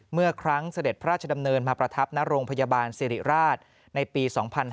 เมื่อครั้งเสด็จพระราชดำเนินมาประทับณโรงพยาบาลสิริราชในปี๒๕๕๙